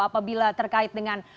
apabila terkait dengan